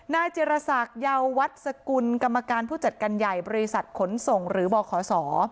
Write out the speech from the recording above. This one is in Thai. นายจิรษักเยาววัดสกุลกรรมการผู้จัดการใหญ่บริษัทขนส่งหรือบขศ